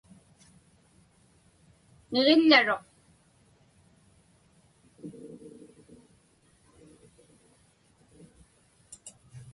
Niġiḷḷaruq.